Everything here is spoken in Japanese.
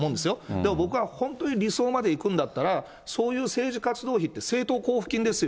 でも僕は、本当に理想までいくんだったら、そういう政治活動費って、政党交付金ですよ。